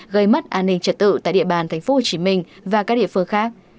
gây mất an ninh trật tự tại địa bàn tp hcm và các địa phương khác